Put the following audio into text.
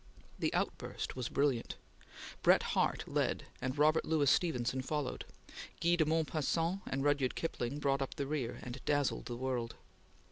The outburst was brilliant. Bret Harte led, and Robert Louis Stevenson followed. Guy de Maupassant and Rudyard Kipling brought up the rear, and dazzled the world.